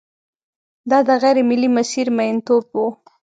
دا د غېر ملي مسیر میینتوب و.